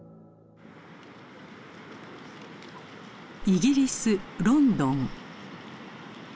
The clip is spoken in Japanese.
イギリス・ロンドン。